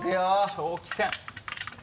長期戦。